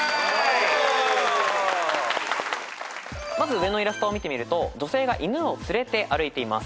まず上のイラストを見てみると女性が犬を連れて歩いています。